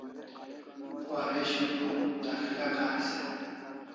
Waresho tu dak'ila karis e?